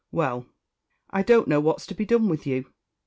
Well, I don't know what's to be done with you.